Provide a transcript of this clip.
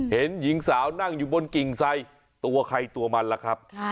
เห็นหญิงสาวนั่งอยู่บนกิ่งไซตัวใครตัวมันล่ะครับ